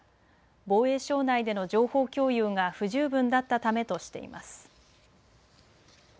防衛省内での情報共有が不十分だったためとしています。